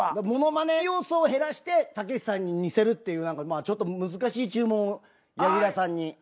ものまね要素を減らしてたけしさんに似せるっていうちょっと難しい注文を柳楽さんに。